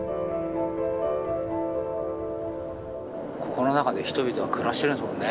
この中で人々は暮らしてるんですもんね